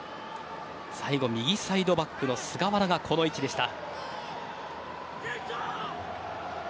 最後、右サイドバックの菅原がこの位置でした。